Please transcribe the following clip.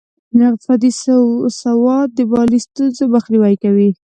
اقتصادي سواد د مالي ستونزو مخنیوی کوي.